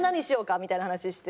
みたいな話してて。